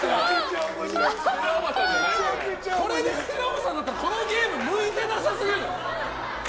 これでステラおばさんだったらこのゲーム、向いてなさすぎる！